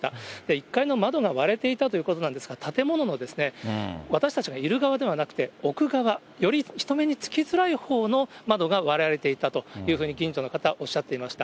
１階の窓が割れていたということなんですが、建物の、私たちがいる側ではなくて、奥側、より人目につきづらいほうの窓が割られていたというふうに、近所の方、おっしゃっていました。